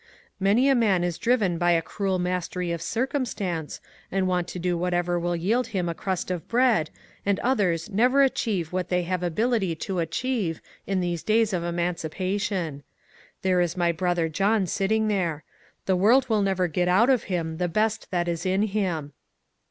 Many a man is driven by a cruel mas* THOMAS APPLETON AND CARLTLE 401 tery of circumstance and want to do whatever will yield him a crust of bread, and others never achieve what they have ability to achieve, in these days of emancipation. There is my brother John sitting there ; the world will never get out of him the best that is in him."